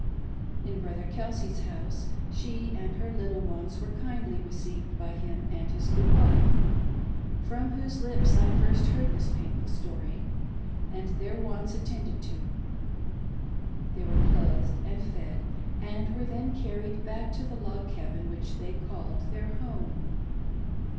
In Brother Kelsey's house, she and her little ones were kindly received by him and his good wife — from whose lips I first heard this painful story^and their wants attended to. They were clothed and fed, and were then carried back to the log cabin which they called their home.